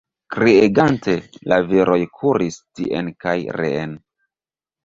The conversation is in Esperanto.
Kriegante, la viroj kuris tien kaj reen.